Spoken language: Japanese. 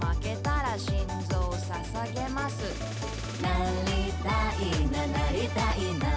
「なりたいななりたいな！」